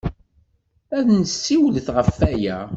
Ad nessiwlet ɣef waya.